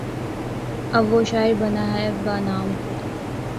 اب وہ شاعر بنا ہے بہ نام خدا